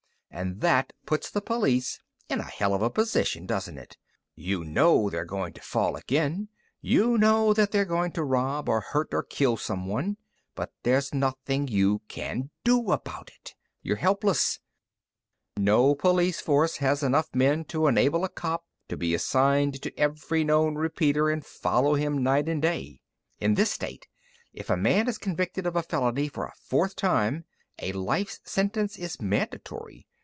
And that puts the police in a hell of a position, doesn't it? You know they're going to fall again; you know that they're going to rob, or hurt, or kill someone. But there's nothing you can do about it. You're helpless. No police force has enough men to enable a cop to be assigned to every known repeater and follow him night and day. "In this state, if a man is convicted of a felony for a fourth time, a life sentence is mandatory.